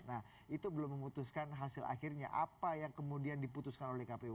nah itu belum memutuskan hasil akhirnya apa yang kemudian diputuskan oleh kpu